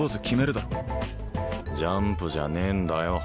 だろジャンプじゃねえんだよ